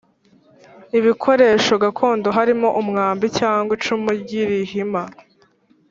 Ibikoresho gakondo harimo umwambi cyangwa icumu ry’ irihima